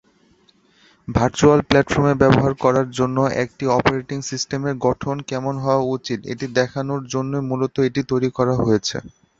Virtual প্লাটফর্মে ব্যবহার করার জন্য একটি অপারেটিং সিস্টেমের গঠন কেমন হওয়ার উচিত এটি দেখানোর জন্যই মূলত এটি তৈরী করা হয়েছে।